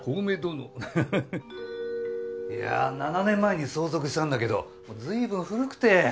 いや７年前に相続したんだけど随分古くて。